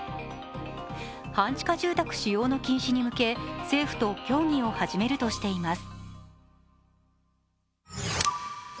半地下住宅使用の禁止に向け政府と協議を始めるとしています。